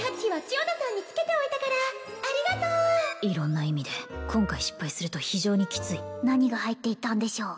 千代田さんにつけておいたからありがとう色んな意味で今回失敗すると非常にきつい何が入っていたんでしょう